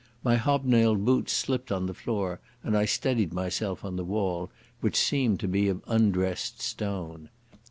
My hobnailed boots slipped on the floor, and I steadied myself on the wall, which seemed to be of undressed stone.